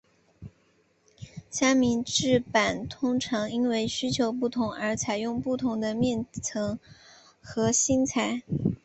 三明治板通常因为需求不同而采用不同的面层和芯材。